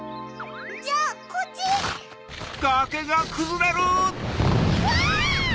じゃあこっち！わ！わ！